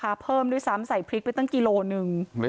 ร้านเราอีกมันก็มีผลนะ